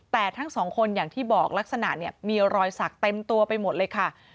แต่ทั้งสองคนอย่างที่บอกลักษณะเนี่ยมีรอยสักเต็มตัวไปหมดเลยค่ะ